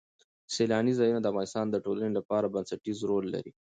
سیلانی ځایونه د افغانستان د ټولنې لپاره بنسټيز رول لري.